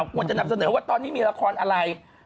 ควรจะนำเสนอว่าตอนนี้มีละครอะไร